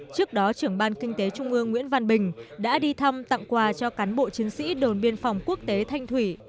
trước đó trưởng ban kinh tế trung ương nguyễn văn bình đã đi thăm tặng quà cho cán bộ chiến sĩ đồn biên phòng quốc tế thanh thủy